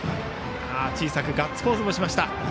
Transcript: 小さくガッツポーズをした江口。